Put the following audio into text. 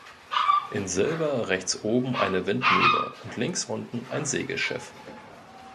In Silber rechts oben eine Windmühle und links unten ein Segelschiff.